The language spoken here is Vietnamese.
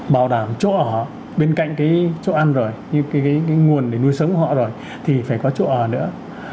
bảo đảm chỗ ở bên cạnh cái chỗ ăn rồi như cái nguồn để nuôi sống của họ rồi thì phải có chỗ ở nữa